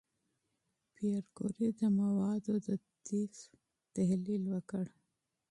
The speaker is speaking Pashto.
پېیر کوري د موادو د طیف تحلیل وکړ.